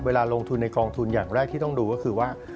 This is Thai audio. เวลาลงทุนในกองทุนอย่างแรกที่ต้องดูก็คือว่า